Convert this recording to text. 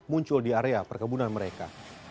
muncul di area perkebunan mereka